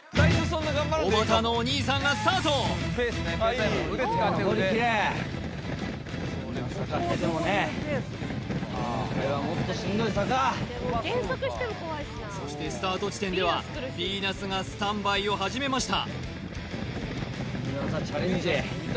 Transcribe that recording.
おばたのお兄さんがスタートそしてスタート地点ではヴィーナスがスタンバイを始めました